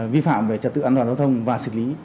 vi phạm về trật tự an toàn giao thông và xử lý